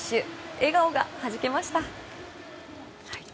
笑顔がはじけました。